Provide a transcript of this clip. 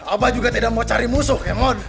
abah juga tidak mau cari musuh ya maud